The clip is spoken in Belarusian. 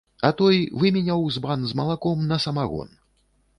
А той выменяў збан з малаком на самагон.